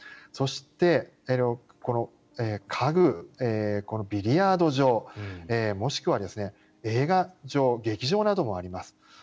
そして家具、ビリヤード場もしくは映画場、劇場などもあります。